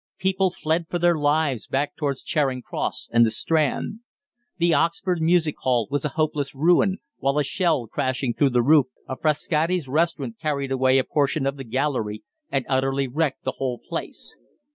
People fled for their lives back towards Charing Cross and the Strand. The Oxford Music Hall was a hopeless ruin, while a shell crashing through the roof of Frascati's restaurant carried away a portion of the gallery and utterly wrecked the whole place.